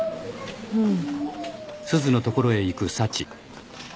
うん。